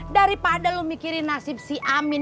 daripada lo mikirin nasib si amin